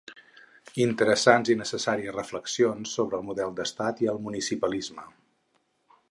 Interessants i necessàries reflexions sobre el model d’estat i el municipalisme.